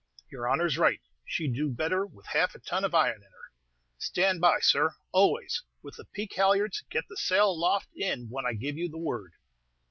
"Your honor's right; she'd do better with half a ton of iron in her. Stand by, sir, always, with the peak halyards; get the sail aloft in, when I give you the word."